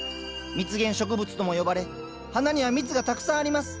蜜源植物とも呼ばれ花には蜜がたくさんあります。